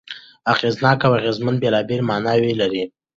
اغېزناک او اغېزمن بېلابېلې ماناوې لري.